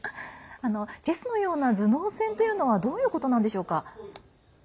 チェスのような頭脳戦というのはどういうことなんでしょうか？